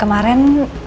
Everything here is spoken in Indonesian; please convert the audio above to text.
kemarin aku ketemu nino